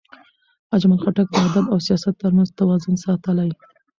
اجمل خټک د ادب او سیاست ترمنځ توازن ساتلی.